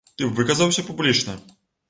Ты б выказаўся публічна?